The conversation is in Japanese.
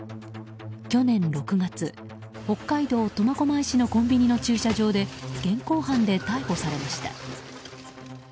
去年６月、北海道苫小牧市のコンビニの駐車場で現行犯で逮捕されました。